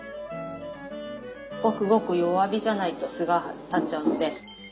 ごくごく弱火じゃないと「す」が立っちゃうので。